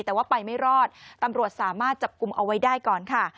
แต่ว่าไปไม่รอดตำรวจสามารถจับกลุ่มเอาไว้ได้ก่อนค่ะ